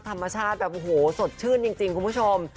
ธรรมชาติแบบโอ้โหสดชื่นจริงคุณผู้ชม